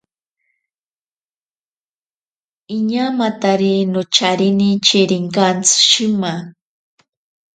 Iñaamatari nocharine cherinkantsi shima.